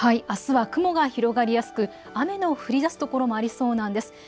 あすは雲が広がりやすく雨の降りだす所もありそうなんです。